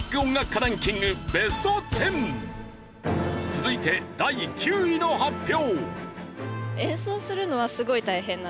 続いて第９位の発表。